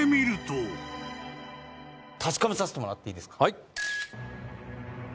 確かめさせてもらっていいですか？